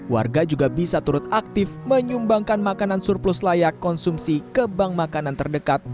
warga juga bisa turut aktif menyumbangkan makanan surplus layak konsumsi ke bank makanan terdekat